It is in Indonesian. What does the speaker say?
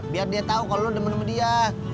biar dia tau kalau lo temen temen dia